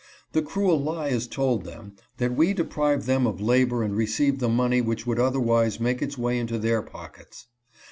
The cruel lie is told them, that we deprive them of labor and receive the money which would otherwise make its way into their pockets.